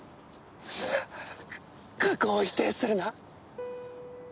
過去を否定するな。